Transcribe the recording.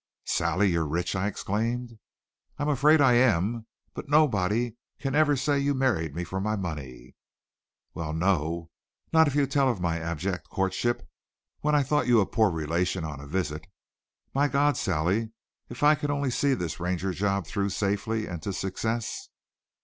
"Sally! You're rich?" I exclaimed. "I'm afraid I am. But nobody can ever say you married me for my money." "Well, no, not if you tell of my abject courtship when I thought you a poor relation on a visit. My God! Sally, if I only could see this Ranger job through safely and to success!"